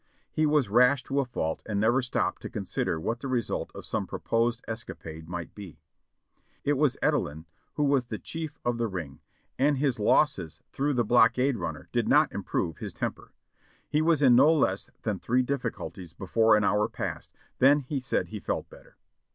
He was rash to a fault and never stopped to consider what the result of some proposed escapade might be. It was Edelin who was the chief of the ring, and his losses through the blockade runner did not improve his temper. He was in no less than three difhculties before an hour passed, then he said he felt better.